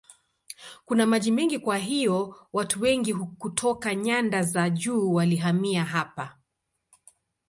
Kuna maji mengi kwa hiyo watu wengi kutoka nyanda za juu walihamia hapa.